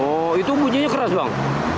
oh itu bunyinya keras bang